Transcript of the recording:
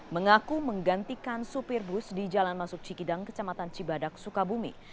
mengaku menggantikan supir bus di jalan masuk cikidang kecamatan cibadak sukabumi